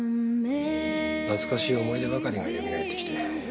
「懐かしい思い出ばかりがよみがえってきて」